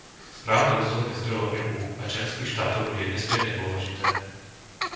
Správne rozdelenie zdrojov EÚ a členských štátov bude nesmierne dôležité.